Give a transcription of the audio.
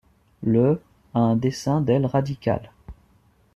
Le a un dessin d'aile radical.